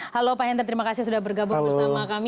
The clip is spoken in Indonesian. halo pak hendra terima kasih sudah bergabung bersama kami